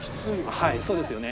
はいそうですよね。